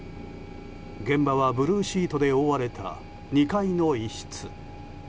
現場はブルーシートで覆われた２階の一室。